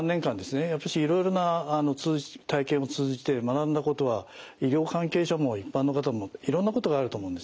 やっぱりいろいろな体験を通じて学んだことは医療関係者も一般の方もいろんなことがあると思うんですね。